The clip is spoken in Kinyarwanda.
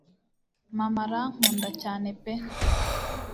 mama rankunda cyane pe